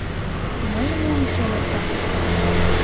Мыйын оҥыш эҥерта?